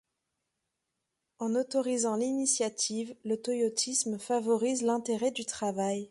En autorisant l’initiative, le Toyotisme favorise l’intérêt du travail.